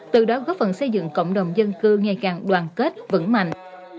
từ đó góp phần xây dựng cộng đồng dân cư ngày càng đoàn kết vững mạnh